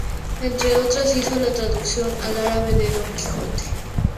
Entre otras, hizo la traducción al árabe de "Don Quijote".